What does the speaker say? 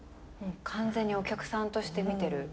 完全にお客さんとして見てる。